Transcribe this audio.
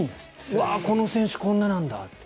うわ、この選手こんななんだって。